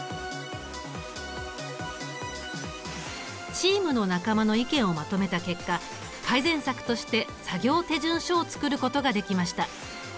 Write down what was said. チームの仲間の意見をまとめた結果改善策として作業手順書を作ることができました。